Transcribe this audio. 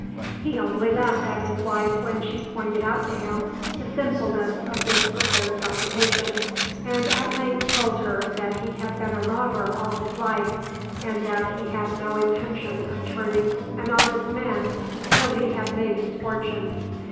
He only laughed at his wife when she pointed out to him the sinfulness of this proposed occupation, and at length told her that he had been a robber all his life, and that he had no intention of turning an honest man till he had made his fortune.